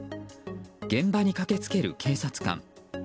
現場に駆けつける警察官。